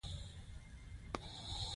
دې تر اوسه ندی ږغېدلی.